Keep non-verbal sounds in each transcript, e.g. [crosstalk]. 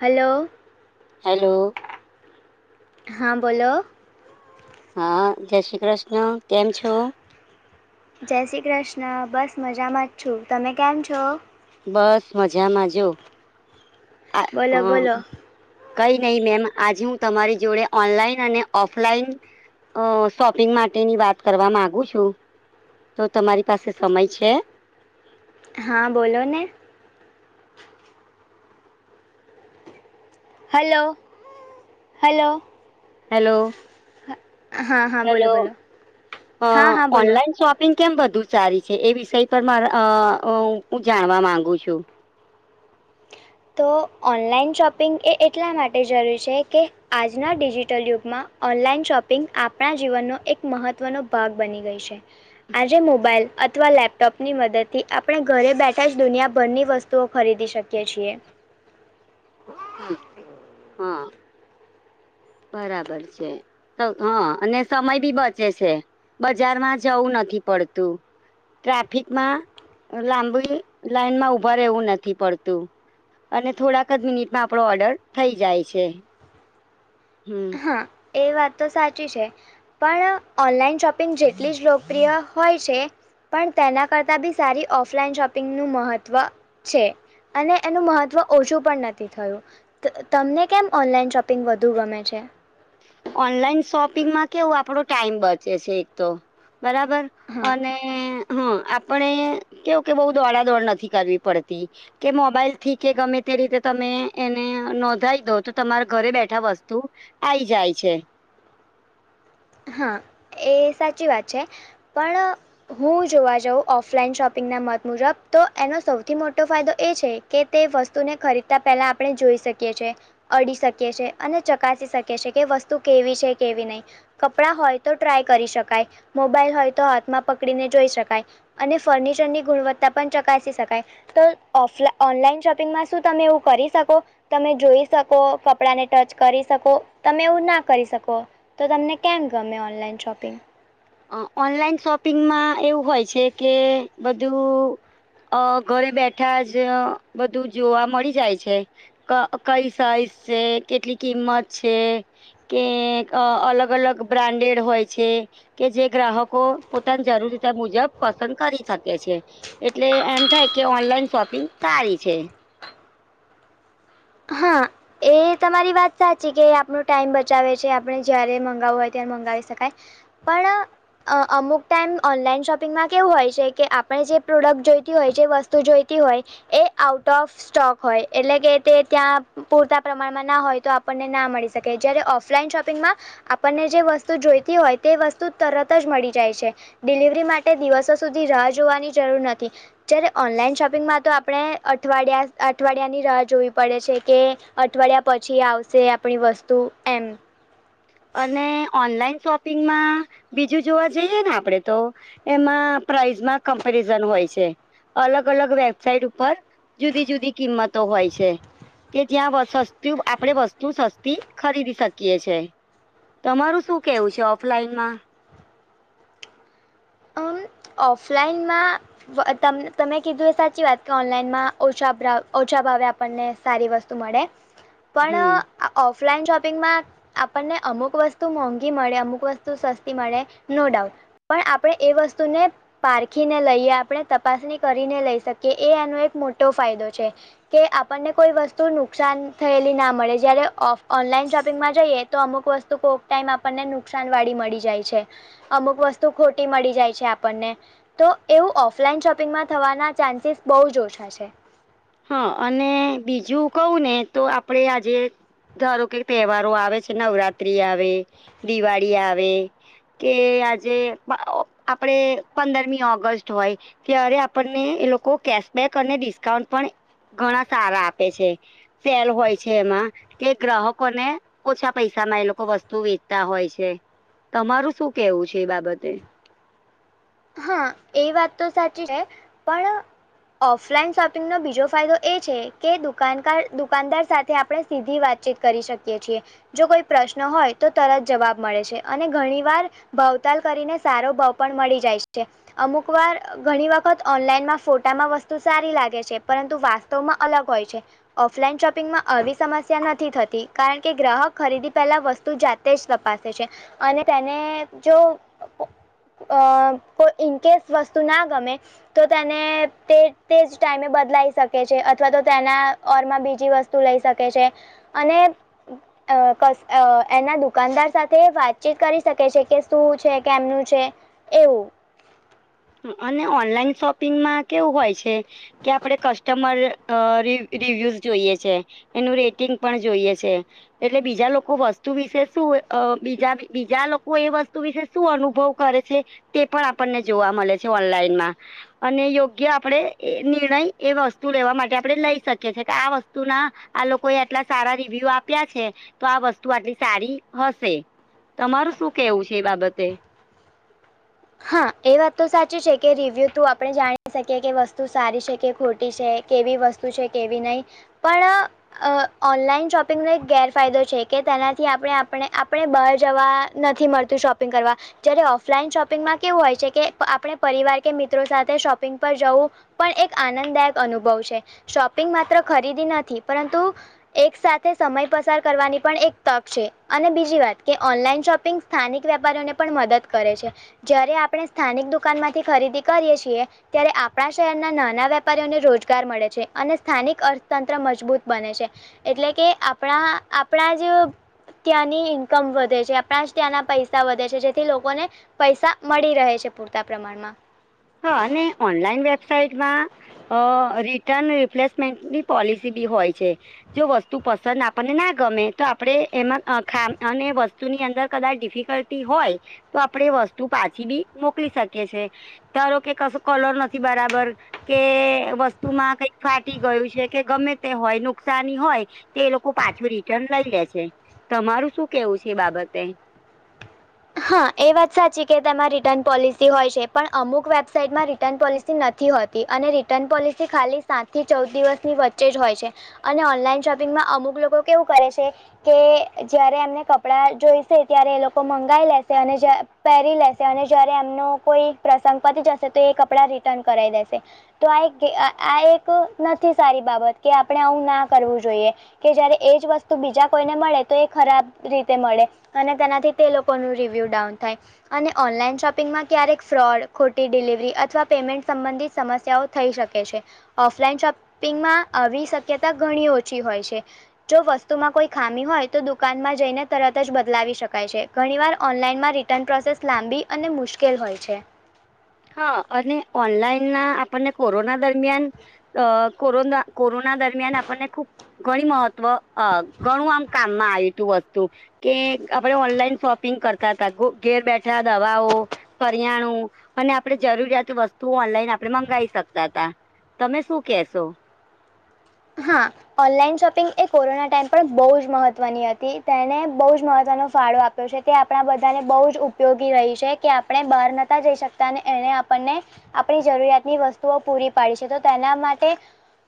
Hello હાલો હા બોલો હા જય શ્રી કૃષ્ણ કેમ છો જય શ્રી કૃષ્ણ બસ મજામાં જ છું તમે કેમ છો બસ મજામાં જો આ બોલો હું બોલો કઈ નઈ મેમ આજે હું તમારી જોડે ઓનલાઈન અને ઓફલાઈન અ શોપિંગ માટેની વાત કરવા માંગુ છું. તો તમારી પાસે સમય છે? હા બોલો ને. હલો, હલો હેલો, હા હા બોલો હેલો બોલો હા હા બોલો ઓનલાઈન શો પિંગ કેમ બધું સારી છે એ વિષય પર માર અ હું જાણવા માંગુ છું. તો ઓનલાઈન શોપિંગ એ એટલા માટે જરૂરી છે કે આજના ડિજિટલ યુગમાં ઓનલાઈન શોપિંગ આપણા જીવનનો એક મહત્ત્વનો ભાગ બની ગઈ છે. આજે મોબાઈલ અથવા લેપ ટોપની મદદથી આપણે ઘરે બેઠા જ દુનિયાભરની વસ્તુઓ ખરીદી શકીએ છીએ. હમ્મ, હા બરાબર છે. હા અને સમય બી બચે છે બજારમાં જવું નથી પડતું. ટ્રાફિકમાં લાંબી લાઈનમાં ઉભા રહેવું નથી પડતું. અને થોડાક જ મિનિટમાં આપણો ઓર્ડર થઈ જાય છે. હમ હા, એ વાત તો સાચી છે. પણ ઓનલાઈન શોપિંગ જેટલી જ લોકપ્રિય હોય છે પણ તેના કરતા બી સારી ઓફલાઈન શોપિંગનું મહત્વ છે. અને એનું મહત્વ ઓછું પણ નથી થયું. તમને કેમ ઓનલાઈન શોપિંગ વધુ ગમે છે? ઓનલાઈન શોપિંગમાં કેવું આપડો ટાઈમ બચે છે એક તો બરાબર હા અને હ આપણે કેવું કે બઉ દોડા દોડ નથી કરવી પડતી. કે મોબાઈલથી કે ગમે તે રીતે તમે એને નોંધાઈ દો તો તમારા ઘરે બેઠા વસ્તુ આઈ જાય છે. હા, એ સાચી વાત છે પણ હું જોવા જાઉં ઓફલાઈન શોપિંગના મત મુજબ તો એનો સૌથી મોટો ફાયદો એ છે કે તે વસ્તુને ખરીદતાં પહેલાં આપણે જોઈ શકીએ છીએ. અડી શકીએ છે અને ચકાસી શકે છે કે વસ્તુ કેવી છે કેવી નહી. કપડાં હોય તો ટ્રાય કરી શકાય મોબાઈલ હોય તો હાથમાં પકડીને જોઈ શકાય. અને ફર્નિચરની ગુણવત્તા પણ ચકાસી શકાય. તો ઓફલા ઓનલાઈન શોપિંગમાં શું તમે એવું કરી શકો? તમે જોઈ શકો કપડાંને ટચ કરી શકો તમે એવું ના કરી શકો તો તમને કેમ ગમે ઓનલાઈન શોપિંગ? અ ઓનલાઈન શોપિંગમાં એવું હોય છે કે બધું અ ઘરે બેઠા જ બધું જોવા મળી જાય છે. ક કઈ સાઈઝ છે, કેટલી કિંમત છે. કે અલગ અલગ બ્રાન્ડેડ હોય છે. કે જે ગ્રાહકો પોતાની જરૂરીતા મુજબ પસંદ કરી શકે છે. એટલે એમ થાય કે ઓનલાઈન શોપિંગ સારી છે. હા. એ તમારી વાત સાચી કે આપણો ટાઈમ બચાવે છે આપણે જયારે મંગાવવું હોય ત્યારે મંગાવી શકાય પણ અ અમુક ટાઈમ ઓનલાઈન શોપિંગમાં કેવું હોય છે કે આપણે જે પ્રોડક્ટ જોઈતી હોય જે વ સ્તુ જોઈતી હોય એ આઉટ ઓફ સ્ટોક હોય એટલે કે તે ત્યાં પૂરતા પ્રમાણમાં ના હોય તો આપણને ના મળી શકે જ્યારે ઓફલાઈન શોપિંગમાં આપણને જે વસ્તુ જોઈતી હોય તે વસ્તુ તરત જ મળી જાય છે ડિલિવરી માટે દિવસો સુધી રાહ જોવાની જરૂર નથી જયારે ઓનલાઈન શોપિંગમાં તો આપડે અઠવાડિયા અઠવાડિયા ની રાહ જોવી પડે છે કે અઠવાડિયા પછી આવશે આપણી વસ્તુ એમ અને ઓનલાઈન શોપિંગમાં બીજું જોવા જઈએ ને આપડે તો એમાં પ્રાઈઝમાં કમ્પેરિઝન હોય છે અલગ અલગ વેબસાઇટ ઉપર જુદી જુદી કિંમતો હોય છે કે જ્યાં વર્ષો સુધી આપડે વસ્તુ સસ્તી ખરીદી શકીએ છે તમારું શું કેવું છે ઓફલાઈન માં અ ઓફલાઈનમાં તમ તમે કીધું એ સાચી વાત કે ઓનલાઈનમાં ઓછા ભાવે આપણને સારી વસ્તુ મળે [inaudible] પણ આ ઓફલાઈન શોપિંગમાં આપણને અમુક વસ્તુ મોંઘી મળે અમુક વસ્તુ સસ્તી મળે નો ડાઉટ પણ આપ પડે એ વસ્તુને પારખીને લઈએ આપણે તપાસણી કરીને લઈ શકીએ એ આનો એક મોટો ફાયદો છે કે આપણને કોઈ વસ્તુ નુકસાન થયેલી ના મળે જ્યારે ઓનલાઈન શોપિંગમાં જોઈએ તો અમુક વસ્તુ કોક ટાઈમ આપણને નુકસાન વાળી મળી જાય છે અમુક વસ્તુ ખોટ ટી મળી જાય છે આપણને તો એવું ઓફલાઈન શોપિંગમાં થવાના ચાન્સીસ બહુ જ ઓછા છે હ અને બીજું કવું ને તો આપડે આજે ધારો કે તહેવારો આવે છે નવરાત્રી આવે દિવાળી આવે કે આજે આપડે પંદરમી ઓગસ્ટ હોય ત્યારે આપણને એ લોકો કેશબેક અને ડિસ્કાઉન્ટ પણ ઘણા સારા આપે છે ફેર હોય છે એમાં એ ગ્રાહકો ને ઓછા પૈસામાં એ લોકો વસ્તુ વેચતા હોય છે તમારું શું કેવું છે એ બાબતે હા એ વાત તો સાચી છે પણ ઓફલાઈન શોપિંગ નો બીજો ફાયદો એ છે કે દુકાનદાર દુકાનદાર સાથે આપડે સીધી વાતચીત કરી શકીએ છીએ જો કોઈ પ્રશ્ન હોય તો તરત જવાબ મળે છે અને ઘણી વાર ભાવતાલ કરીને સારો ભાવ પણ મળી જાય છે અમુક વાર ઘણી વખત ઓનલાઈનમાં ફોટામાં વસ્તુ સારી લાગે છે પરંતુ વાસ્તવમાં અલગ હોય છે ઓફલાઈન શોપિંગમાં આવી સમસ્યા નથી થતી કારણ કે ગ્રાહક ખરીદી પહેલા વસ્તુ જા તે જ તપાસે છે અને તેને જો અ કોઈ ઇનકેસ વસ્તુ ના ગમે તો તેને તે તે જ ટાઈમે બદલાઈ શકે છે અથવા તો તેના ઓર માં બીજી વસ્તુ લઈ શકે છે અને અ કસ એના દુકાનદાર સાથે વાતચીત કરી શકે છે કે શું છે કેમનું છે એવું [inaudible] અને ઓનલાઈન શોપિંગમાં કેવું હોય છે કે આપડે કસ્ટમર રિવ્યુઝ જોઈએ છે એનું રેટિંગ પણ જોઈએ છે એટલે બીજા લોકો વસ્તુ વિશે શું હોય અ બીજા બીજા લોકો એ વસ્તુ વિશે શું અનુભવ કરે છે? તે પણ આપણને જોવા મલે છે ઓનલાઈન માં... અને યોગ્ય આપણેે એ નિર્ણય એ વસ્તુ લેવા માટે આપણે લઈ શકીએ છ છે કે આ વસ્તુના... આ લોકો એ આટલા રિવ્યુ આપ્યા છે તો આ વસ્તુ આટલી સારી હશે. તમારું શું કેવું છે એ બાબતે? હા એ વાત તો સાચી છે કે રિવ્યુું થ્રૂ આપણે જાણી શકીએ કે વસ્તુ સારી છે કે ખોટી છે. કેવી વસ્તુ છે કેવી નહી પણ.. અ ઓનલાઈન શોપિંગનો એક ગેરફાયદો છે કે તેનાથી આપણે આપણે આપણે બહાર જવા... નથી મળતું શોપિંગ કરવા જયારે ઓફલાઈન શોપિંગ... શોપિંગમાં કેવું હોય છે કે આપણે પરિવાર કે મિત્રો સાથે શોપિંગ પર જવું... પણ એક આનંદદાયક અનુભવ છે. શોપિંગ માત્ર ખરીદી નથી પરંતુ... એક સાથે સમય પસાર કરવાની પણ એક તક છે અને બીજી વાત કે ઓનલાઈન શોપિંગ... સ્થાનિક વેપારીઓને પણ મદદ કરે છે. જ્યારે આપણે સ્થાનિક દુકાનમાંથી ખરીદી કરીએ છીએ. ત્યારે આપણા શહેરના નાના વેપારીઓને રોજગાર મળે છે, અને સ્થાનિક અર્થતંત્ર મજબૂત બને છે. એટલે કે આપણા આપણા જે... ત્યાંની ઈન્કમ વધે છે આપણા જ ત્યાંના પૈસા વધે છે જેથી લોકોને... પૈસા મળી રહે છે પૂરતા પ્રમાણમાં... અને ઓનલાઈન વેબસાાઈટમાં અ રિટર્ન રિપ્લેસ... મેન્ટની પોલિસી બી હોય છે. જો વસ્તુ પસંદ આપણને ના ગમે તો આપણેે એમાં ખા અને વસ.... વસ્તુની અંદર કદાચ ડિફિકલ્ટી હોય તો આપડે એ વસ્તુ પાછી બી મોકલી શકીએ છે. તારો કે કસું કલર નથી બરાબર. કે વસ્તુમાં કઈક ફાટી ગયું છે કે, ગમે તે હોય નુકસાની હોય. તે એ લોકો પાછું રિટર્ન લઈ લે છે. તમારું શું કેવું છે એ બાબતે... હા એ વાત સાચી કે તેમાં રિટર્ન પોલિસી હોય છે પણ અમુક વેબસાાઈટમાં રિટર્ન પોલિસી નથી હોતી. અને રિટર્ન પોલિસી ખાલી સાતથી ચૌદ દિવસની વચ્ચે જ હોય છે. અને ઓનલાઈન શોપિંગમાં અમુક લોકો કેવું કરે છે. કે જયારે એમને કપડા જોઈશે ત્યારે એ લોકો મંગાવશે. લઈ લેશે અને પહેરી લેશે અને જયારે એમનો કોઈ પ્રસંગ પતી જશે તો એ કપડા રીટર્ન... રિટન કરાઈ દેશે. તો આ એક આ એક નથી સારી બાબત કે આપણે આવું ના કરવું જોઈએ. કે જયારે એજ વસ્તુ બીજા કોઈને મળે તો એ ખરાબ રીતે મળે અને તેનાથી તે લોકો... આપણું રિવ્યૂ ડાઉન થાય. અને ઓનલાઈન શોપિંગમાં ક્યારેક ફ્રોડ ખોટી ડિલિવરી અથવા પેમેન્ટ સંબંધિત સમસ્યાઓ... થઈ શકે છે. ઓફલાઈન શોપિંગમાં આવી શક્યતા ઘણી ઓછી હોય છે. જો વસ્તુમાં કોઈ ખામી હોય તો દુકાનમાં જઈને તરત જ બદલાવી શકાય છે. ઘણીવાર ઓનલાઈનમાં રિટર્ન પ્રોસેસ લાંબી અને મુશ્કેલ હોય છે. હા અને ઓનલાઈન ના આપણને કોરોના દરમિયાન અ કોરોના... કોરોના દરમિયાન આપણને ખૂબ ઘણી મહત્વ અ ઘણું આમ કામમાં આયુ તું વસ્તુ... કે આપણે ઓનલાઈન શોપિંગ કરતા હતા. ઘેર બેઠા દવાઓ... કરિયાણું. અને આપણે જરૂરિયાતનું વસ્તુ ઓનલાઈન આપણે મંગાવી શકતા હતા તમે શું કેહેશો? હા. ઓનલાઈન શોપિંગ એ કોરોના ટાઈમ પર બહુ જ મહત્વની હતી. તેણે બહુ જ મહત્વનો ફાળો આપ્યો. છે તે આપણા બધાને બહુ જ ઉપયોગી રહી છે કે આપણે બહાર નતા જઈ શકતા અને એણે આપણને... આપણી જરૂરિયાતની વસ્તુઓ પૂરી પાડી છે તો તેના માટે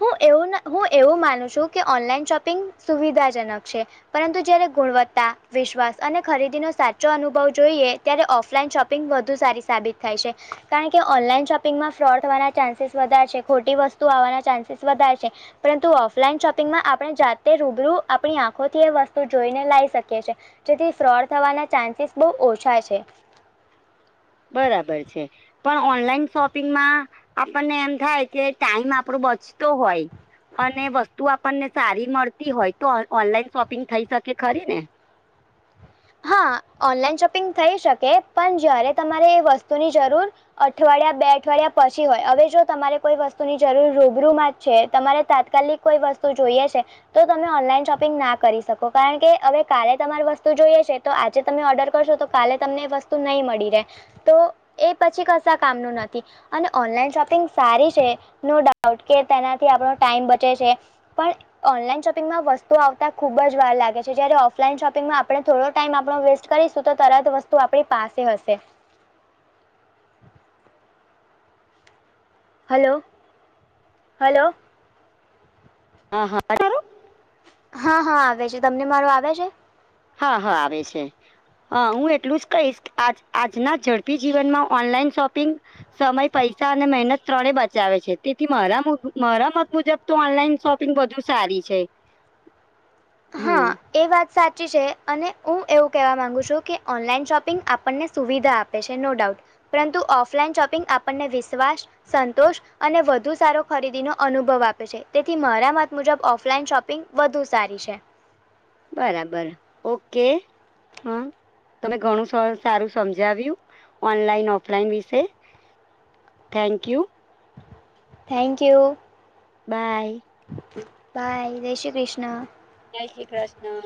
હું એવું ના... હું એવું માનું છું કે ઓનલાઈન શોપિંગ સુવિધાજનક છે. પરંતુ જયારે ગુણવત્તા, વિશ્વાસ અને ખરીદીનો સાચો અનુભવ જોઈએ. ત્યારે ઓફલાઈન શોપિંગ વધુ સારી સાબિત થાય છે કારણ કે ઓનલાઈન શોપિંગમાં ફ્રોડ થવાના ચાન્સીસ વધાર છે. ખોટી વસ્તુ આવવાના ચાન્સીસ વધાર છે. પરંતુ ઓફલાઈન શોપિંગમાં આપણે જાતે રૂબરૂ આપણી આંખોથી એ વસ્તુ જોઈને લાઈ શકીએ છીએ. જેથી ફ્રોડ થવાના ચાન્સીસ બઉ ઓછા છે. બરાબર છે. પણ ઓનલાઈન શોપિંગમાં આપણને એમ થાય કે ટાઈમ આપણો બચતો હોય. અને વસ્તુ આપણને સારી મળતી હોય તો ઓન ઓનલાઈન શોપિંગ થઈ શકે ખરી ને. હા ઓનલાઈન શોપિંગ થઈ શકે પણ જયારે તમારે એ વસ્તુની જરૂર અઠવાડિયા બે અઠવાડિયા પછી હોય, હવે જો તમારે કોઈ વસ્તુની જરૂર રૂબરૂમાં જ છે તમારે તાત્કાલિક કોઈ વસ્તુ જોઈએ છે. તો તમે ઓનલાઈન શોપિંગ ના કરી શકો, કારણકે હવે કાલે તમાર વસ્તુ જોઈએ છે. તો આજે તમે ઑર્ડર કરશો તો કાલે તમને એ વસ્તુ નહીં મળી રહે. તો એ પછી કશા કામનું નથી. અને ઓનલાઈન શોપિંગ સારી છે નો ડાઉટ કે તેનાથી આપણો ટાઈમ બચે છે. પણ ઓનલાઈન શોપિંગમાં વસ્તુઓ આવતા ખુબ જ વાર લાગે છે જયારે ઓફલાઈન શોપિંગમાં આપણે થોડો ટાઈમ આપણો વેસ્ટ કરીશું, તો તરત વસ્તુ આપણી પાસે હશે. હલો, હલો હા હા [unintelligible] હા હા આવે છે, તમને મારો આવે છે? હા હા આવે છે. હ હું એટલું જ કહીશ આજ આજના ઝડપી જીવનમાં ઓનલાઈન શોપિંગ સમય, પૈસા અને મહેનત ત્રણે બચાવે છે તેથી મારા [unintelligible] મારા મત મુજબ તો ઓનલાઈન શોપિંગ વધુ સારી છે. ત હા. હમ એ વાત સાચી છે અને હું એવું કહેવા માગું છું કે ઓનલાઈન શોપિંગ આપણને સુવિધા આપ પે છે નો ડાઉટ, પરંતુ ઓફલાઈન શોપિંગ આપણને વિશ્વાસ, સંતોષ અને વધુ સારો ખરીદીનો અનુભવ આપે છે તેથી મારા મત મુજબ ઓફલાઈન શોપિંગ વધુ સારી છે. બરાબર ઓકે હ. તમે ઘણું સ સારું સમજાવ્યું, ઓનલાઈન ઓફલાઈન વિશે. Thank you. Thank you. Bye. Bye જય શ્રી કૃષ્ણ. જયશ્રીકૃષ્ણ.